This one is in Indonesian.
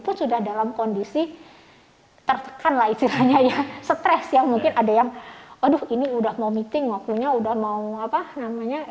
pesan pesan yang berada di jalan raya ini